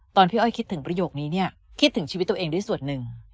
พี่อ้อยคิดถึงประโยคนี้เนี่ยคิดถึงชีวิตตัวเองด้วยส่วนหนึ่ง